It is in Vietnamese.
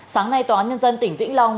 sáng nay tòa nhân dân tỉnh vĩnh long